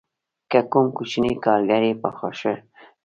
که کوم کوچنی کارګر یې په خوښه نه وي